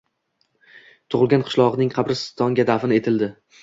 tug’ilgan qishlog’idagi qabristonga dafn etildi.